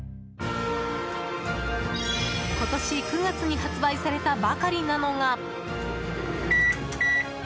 今年９月に発売されたばかりなのが。